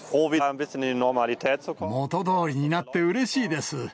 元どおりになってうれしいです。